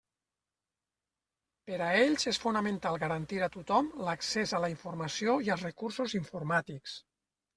Per a ells és fonamental garantir a tothom l'accés a la informació i als recursos informàtics.